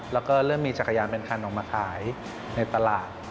แล้วก็เริ่มมีจักรยานเป็นคันออกมาขายในตลาด